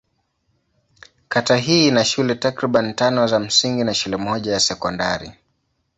Kata hii ina shule takriban tano za msingi na shule moja ya sekondari.